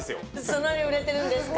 そんなに売れてるんですか。